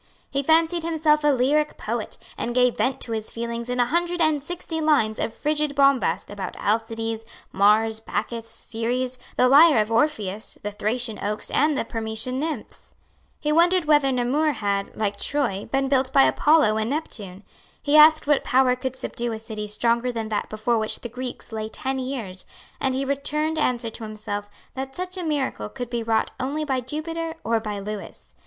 He fancied himself a lyric poet, and gave vent to his feelings in a hundred and sixty lines of frigid bombast about Alcides, Mars, Bacchus, Ceres, the lyre of Orpheus, the Thracian oaks and the Permessian nymphs. He wondered whether Namur, had, like Troy, been built by Apollo and Neptune. He asked what power could subdue a city stronger than that before which the Greeks lay ten years; and he returned answer to himself that such a miracle could be wrought only by Jupiter or by Lewis.